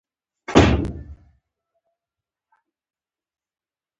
چې يوسفزي د رياست نه باغيان دي